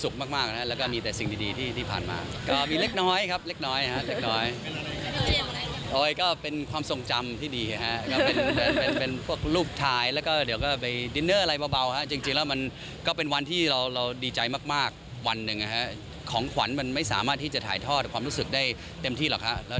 ของขวัญมันไม่สามารถที่จะถ่ายทอดความรู้สึกได้เต็มที่หรอกครับ